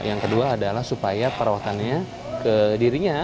yang kedua adalah supaya perawatannya ke dirinya